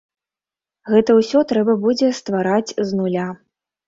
Гэта ўсё трэба будзе ствараць з нуля.